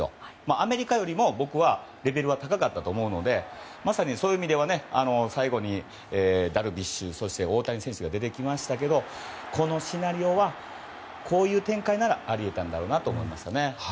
アメリカよりも僕はレベルは高かったと思うのでまさにそういう意味で最後にダルビッシュ、大谷選手が出てきましたがこのシナリオはこういう展開ならあり得たんだろうと思います。